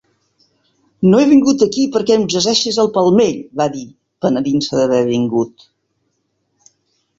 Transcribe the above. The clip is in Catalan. "No he vingut aquí perquè em llegeixis el palmell" va dir penedint-se d'haver vingut.